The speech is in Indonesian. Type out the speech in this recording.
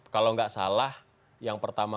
kalau nggak salah yang pertama